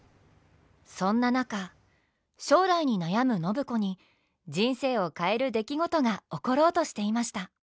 そんな中将来に悩む暢子に人生を変える出来事が起ころうとしていました。